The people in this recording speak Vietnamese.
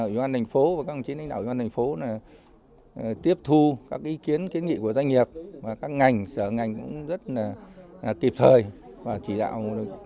đồng chí lãnh đạo ubnd tp tiếp thu các ý kiến kiến nghị của doanh nghiệp và các ngành sở ngành cũng rất là kịp thời và chỉ đạo